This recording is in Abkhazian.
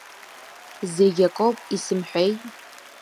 Зегь акоуп, исымҳәеи…